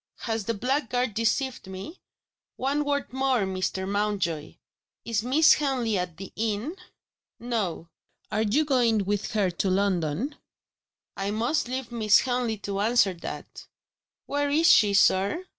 "Has the blackguard deceived me? One word more, Mr. Mountjoy. Is Miss Henley at the inn?" "No." "Are you going with her to London?" "I must leave Miss Henley to answer that." "Where is she, sir?"